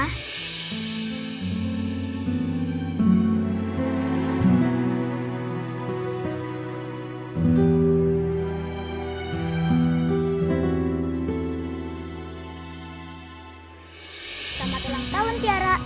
selamat ulang tahun tiara